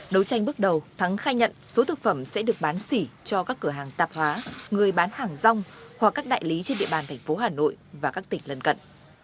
đấu tranh bước đầu thắng khai nhận số thực phẩm sẽ được bán xỉ cho các cửa hàng tạp hóa người bán hàng rong hoặc các đại lý trên địa bàn thành phố hà nội và các tỉnh lân cận